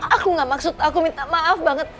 aku nggak maksud aku minta maaf banget